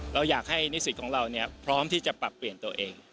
เราอยากให้นิสิตของเราพร้อมที่จะปรับเปลี่ยนตัวเอง